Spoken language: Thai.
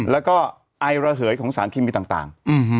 แล้วก็ไอระเหยของสารเคมีต่าง